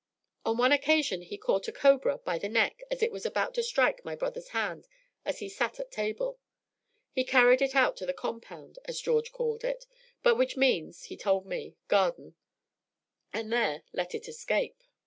On one occasion he caught a cobra by the neck as it was about to strike my brother's hand as he sat at table; he carried it out into the compound, as George called it, but which means, he told me, garden, and there let it escape.